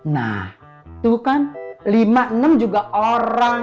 nah itu kan lima enam juga orang